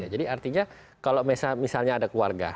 jadi artinya kalau misalnya ada keluarga